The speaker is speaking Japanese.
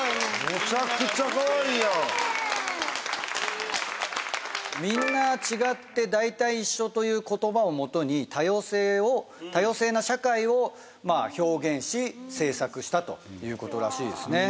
めちゃくちゃカワイイやんという言葉をもとに多様性を多様性な社会を表現し制作したということらしいですね